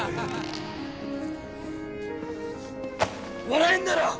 笑えんだろ！